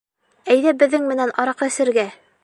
Әйҙә беҙҙең менән араҡы эсергә!